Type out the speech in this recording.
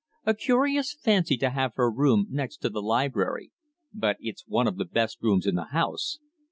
"A curious fancy to have her room next to the library. But it's one of the best rooms in the house.